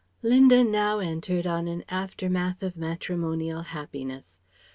Linda now entered on an aftermath of matrimonial happiness.